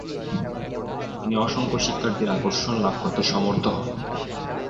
তিনি অসংখ্য শিক্ষার্থীর আকর্ষণ লাভ করতে সমর্থ হন।